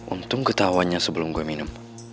untung ketahuannya sebelum gue minum